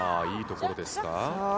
いいところですか。